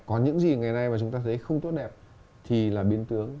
còn những gì ngày nay mà chúng ta thấy không tốt đẹp thì là biến tướng